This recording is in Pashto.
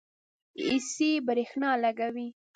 ایسی برښنا لګوي